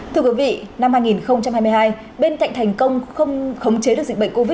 thưa quý vị năm hai nghìn hai mươi hai bên cạnh thành công không khống chế được dịch bệnh covid một mươi chín